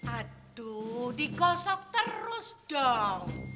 aduh digosok terus dong